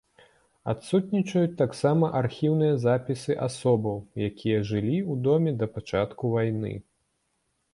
Адсутнічаюць таксама архіўныя запісы асобаў, якія жылі ў доме да пачатку вайны.